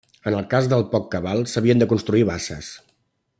En el cas de poc cabal s'havien de construir basses.